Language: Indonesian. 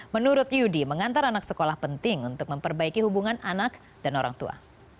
menurut yudi mengantar anak sekolah penting untuk memperbaiki hubungan anak dan orang tua